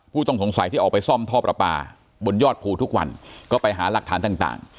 ผู้ต้องสงสัยที่ออกไปซ่อมท่อประปาบนยอดภูทุกวันก็ไปหาหลักฐานต่าง